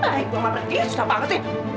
hai mama pergi sudah banget